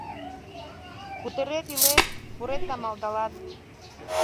— Кутырет-илет! — пурет да малдалат.